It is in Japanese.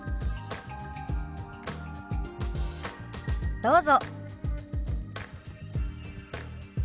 どうぞ。